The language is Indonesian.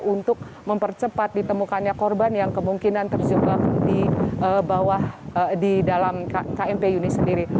untuk mempercepat ditemukannya korban yang kemungkinan terjebak di dalam kmp yunis sendiri